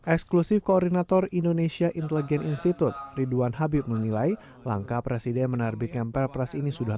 eksklusif koordinator indonesia